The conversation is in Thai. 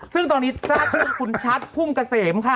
ซึ่งตอนนี้สคุณชัดภุ่มเกษมค่ะ